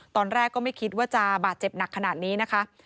ตอนแรกก็ไม่คิดว่าจะบาดเจ็บหนักขนาดนี้นะคะ